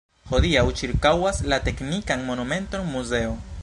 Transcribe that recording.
Hodiaŭ ĉirkaŭas la teknikan monumenton muzeo.